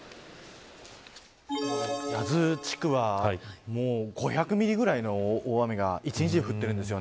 八頭地区は５００ミリぐらいの大雨が一日に降っています。